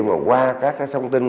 mà qua các thông tin